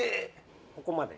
ここまで。